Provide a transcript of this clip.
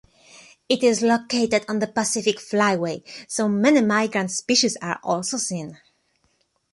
It is located on the Pacific Flyway, so many migrant species are also seen.